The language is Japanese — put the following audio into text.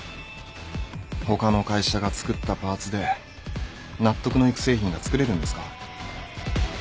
他の会社が作ったパーツで納得のいく製品が作れるんですか？